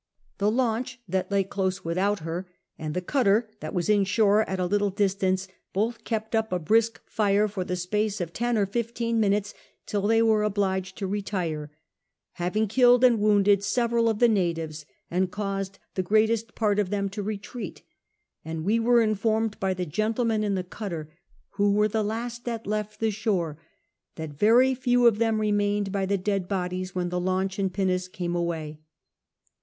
The launch, that lay close without her, and the cutter, that was inshore at a little distance, both kept up a brisk fii'e for the space of ten or fifteen minutes till they were obliged to retire ; having killed and wounded several of the natives, and caused the greatest part of t^em to retreat ; and we were informed by the gentlemen in the cutter, who were the lost that left the shore, that very few of them remained by the dead bodies when the launch and pinnace came away.